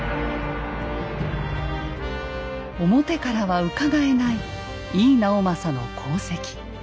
表からはうかがえない井伊直政の功績。